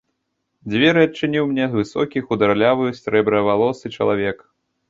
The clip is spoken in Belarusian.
Дзверы адчыніў мне высокі хударлявы срэбравалосы чалавек.